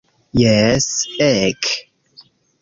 Jes, ek!